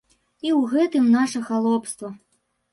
І ў гэтым наша халопства.